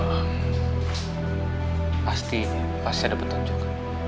pasti pasti ada petunjuk